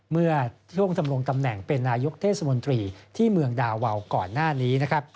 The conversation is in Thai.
เมื่อช่วงดำรงตำแหน่งเป็นนายกเทศมนตรีที่เมืองดาวาวก่อนหน้านี้นะครับ